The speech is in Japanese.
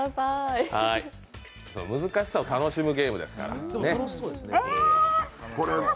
難しさを楽しむゲームですから。